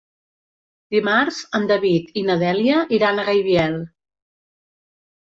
Dimarts en David i na Dèlia iran a Gaibiel.